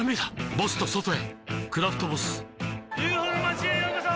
ボスと外へ「クラフトボス」ＵＦＯの町へようこそ！